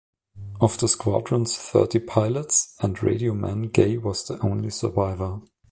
Of the squadron's thirty pilots and radiomen, Gay was the only survivor.